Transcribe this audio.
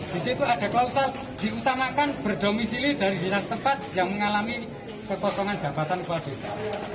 di situ ada klausa diutamakan berdomisili dari dinas tempat yang mengalami kekosongan jabatan kepala desa